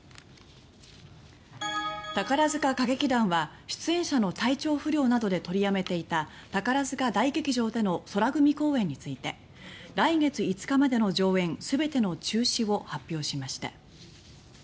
宝塚歌劇団は出演者の体調不良などで取りやめていた宝塚大劇場での宙組公演について来月５日までの上演全ての中止を発表しました。